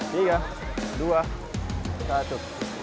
tiga dua satu